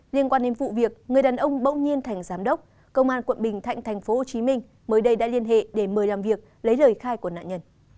liên quan đến vụ việc người đàn ông bong nhiên thành giám đốc công an quận bình thạnh tp hcm mới đây đã liên hệ để mời làm việc lấy lời khai của nạn nhân